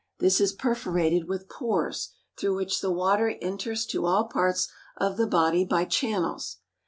This is perforated with pores, through which the water enters to all parts of the body by channels.